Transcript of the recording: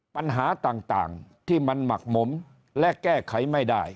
ปัญหาต่างที่มันหมักหมมและแก้ไขไม่ได้